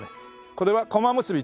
これはこま結び？